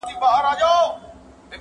مور او ورور پلان جوړوي او خبري کوي,